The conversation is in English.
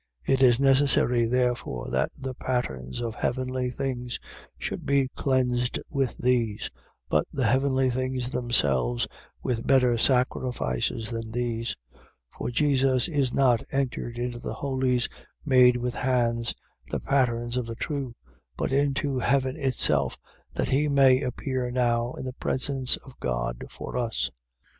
It is necessary therefore that the patterns of heavenly things should be cleansed with these: but the heavenly things themselves with better sacrifices than these. 9:24. For Jesus is not entered into the Holies made with hands, the patterns of the true: but into Heaven itself, that he may appear now in the presence of God for us.